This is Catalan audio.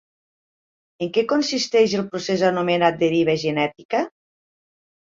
En què consisteix el procés anomenat deriva genètica?